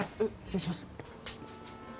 失礼します。